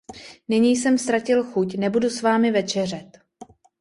Nyní jsem ztratil chuť; nebudu s vámi večeřet.